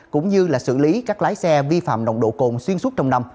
cũng như là xử lý các lái xe vi phạm nồng độ cồn xuyên suốt trong năm